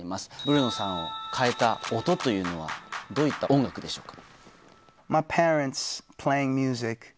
ブルーノさんを変えた音というのはどういった音楽でしょうか？